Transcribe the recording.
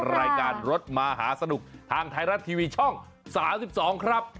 รายการรถมหาสนุกทางไทยรัฐทีวีช่อง๓๒ครับ